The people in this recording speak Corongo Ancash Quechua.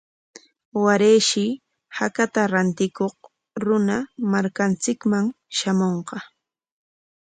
Warayshi hakata rantikuq runa markanchikman shamunqa.